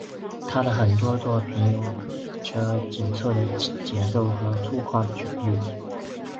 他的很多作品有着紧凑的节奏和粗犷的旋律。